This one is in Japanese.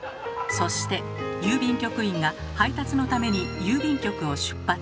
そして郵便局員が配達のために郵便局を出発。